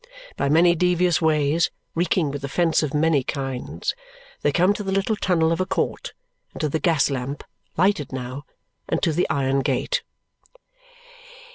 By many devious ways, reeking with offence of many kinds, they come to the little tunnel of a court, and to the gas lamp (lighted now), and to the iron gate.